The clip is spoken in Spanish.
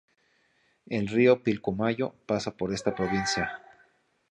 El río Pilcomayo pasa por esta provincia.